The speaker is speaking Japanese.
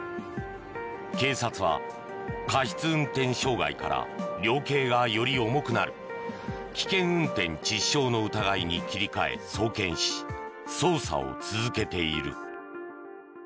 警察は過失運転傷害から量刑がより重くなる危険運転致死傷の疑いに切り替え送検し捜査を続けている。